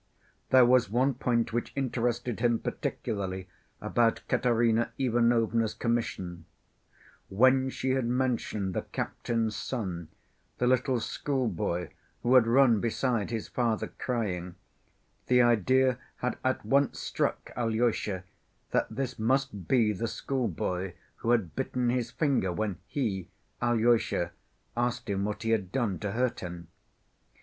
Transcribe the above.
There was one point which interested him particularly about Katerina Ivanovna's commission; when she had mentioned the captain's son, the little schoolboy who had run beside his father crying, the idea had at once struck Alyosha that this must be the schoolboy who had bitten his finger when he, Alyosha, asked him what he had done to hurt him.